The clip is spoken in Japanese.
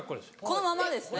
このままですね。